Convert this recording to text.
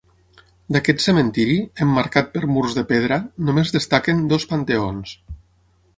D'aquest cementiri, emmarcat per murs de pedra, només destaquen dos panteons.